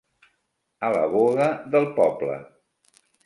A la boga del poble.